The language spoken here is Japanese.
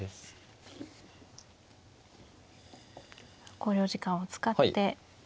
考慮時間を使って。